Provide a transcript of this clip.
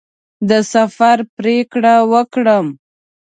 د سفر پرېکړه وکړم.